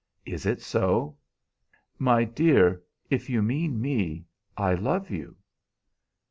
Is it so?" "My dear, if you mean me, I love you!"